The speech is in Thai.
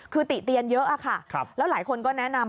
คือติเตียนเยอะค่ะแล้วหลายคนก็แนะนำ